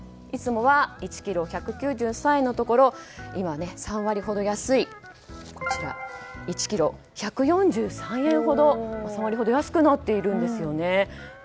いつもは１ｋｇ１９３円のところ今、３割ほど安い１ｋｇ１４３円ほどと３割ほど安くなっているんです。